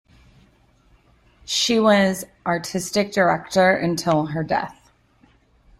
She was artistic director until her death.